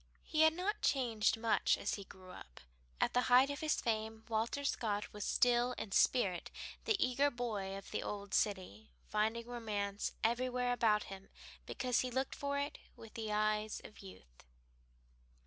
He had not changed much as he grew up. At the height of his fame Walter Scott was still in spirit the eager boy of the old city, finding romance everywhere about him because he looked for it with the eyes of youth.